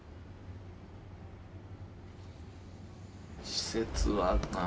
「施設」はなあ